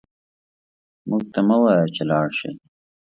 موږ ته مه وايه چې لاړ شئ